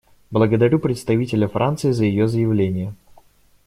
Благодарю представителя Франции за ее заявление.